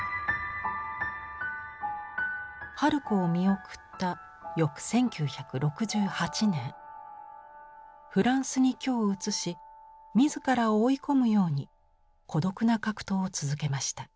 春子を見送った翌１９６８年フランスに居を移し自らを追い込むように孤独な格闘を続けました。